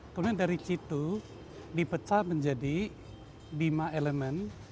kemudian dari situ dipecah menjadi lima elemen